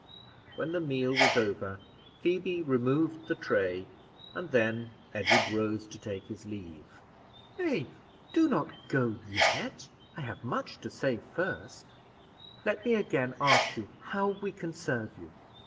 When the meal was over, Phoebe removed the tray, and then Edward rose to take his leave. "Nay, do not go yet I have much to say first; let me again ask you how we can serve you."